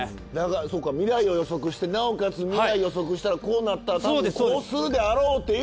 そうか未来を予測してなおかつ未来予測したらこうなったらたぶんこうするであろうっていう。